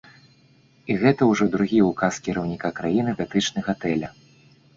І гэта ўжо другі ўказ кіраўніка краіны датычны гатэля.